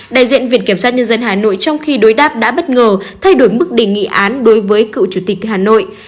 đại diện viện kiểm sát nhân dân hà nội trong khi đối đáp đã bất ngờ thay đổi mức đề nghị án đối với cựu chủ tịch hà nội